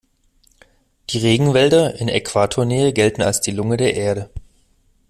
Die Regenwälder in Äquatornähe gelten als die Lunge der Erde.